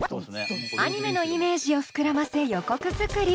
アニメのイメージを膨らませ予告作り！